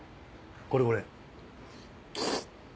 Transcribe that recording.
これこれ。